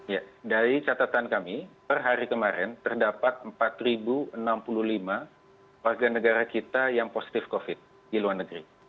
ya dari catatan kami per hari kemarin terdapat empat enam puluh lima warga negara kita yang positif covid di luar negeri